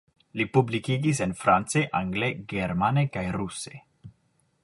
Li publikigis en france, angle, germane kaj ruse.